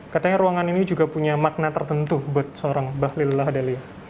katanya ruangan ini juga punya makna tertentu buat seorang bahlil lahadalia